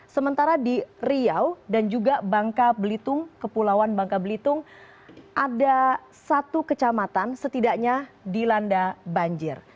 sementara di riau dan juga bangka belitung kepulauan bangka belitung ada satu kecamatan setidaknya dilanda banjir